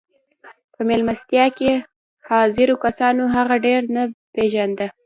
په مېلمستیا کې حاضرو کسانو هغه ډېر نه پېژانده